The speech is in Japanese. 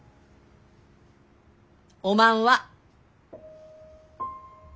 おまんは？